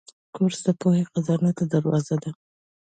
کورس د پوهې خزانې ته دروازه ده.